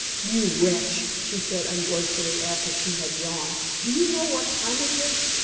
"You wretch!" she said ungratefully, after she had yawned. "Do you know what time it is?